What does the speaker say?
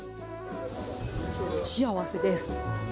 幸せです。